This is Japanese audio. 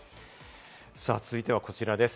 続いてはこちらです。